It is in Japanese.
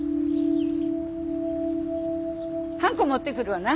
はんこ持ってくるわな。